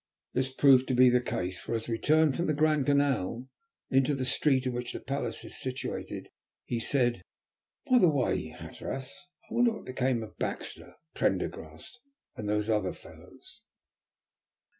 This proved to be the case, for as we turned from the Grand Canal into the street in which the palace is situated, he said "By the way, Hatteras, I wonder what became of Baxter, Prendergrast, and those other fellows?"